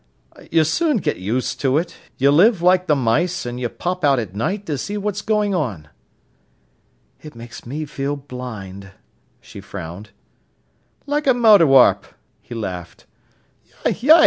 "You soon get used to it. You live like th' mice, an' you pop out at night to see what's going on." "It makes me feel blind," she frowned. "Like a moudiwarp!" he laughed.